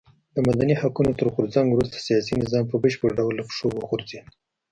د مدني حقونو تر غورځنګ وروسته سیاسي نظام په بشپړ ډول له پښو وغورځېد.